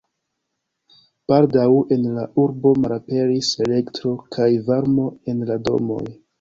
Baldaŭ en la urbo malaperis elektro kaj varmo en la domoj.